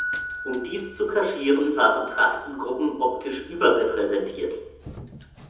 Um dies zu kaschieren, waren Trachtengruppen optisch überrepräsentiert.